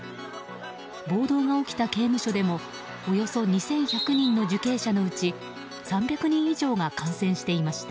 暴動が起きた刑務所でもおよそ２１００人の受刑者のうち３００人以上が感染していました。